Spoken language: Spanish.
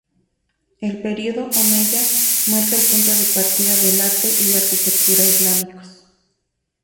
El período omeya marca el punto de partida del arte y la arquitectura islámicos.